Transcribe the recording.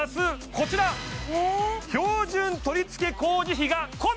こちら標準取り付け工事費が込み